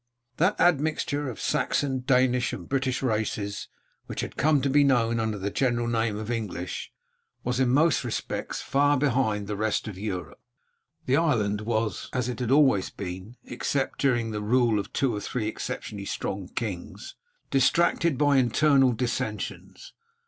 That admixture of Saxon, Danish, and British races which had come to be known under the general name of English, was in most respects far behind the rest of Europe. The island was, as it had always been, except during the rule of two or three exceptionally strong kings, distracted by internal dissensions.